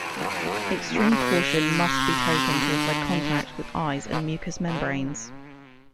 Extreme caution must be taken to avoid contact with eyes and mucous membranes.